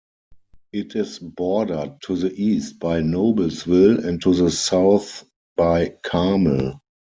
It is bordered to the east by Noblesville and to the south by Carmel.